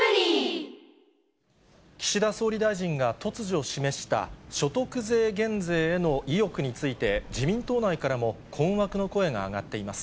岸田総理大臣が突如示した、所得税減税への意欲について、自民党内からも困惑の声が上がっています。